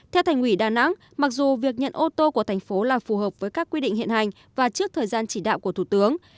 theo thành ủy đà nẵng mặc dù việc nhận ô tô của thành phố là phù hợp với các quy định hiện hành và trước thời gian chỉ đạo của thủ tướng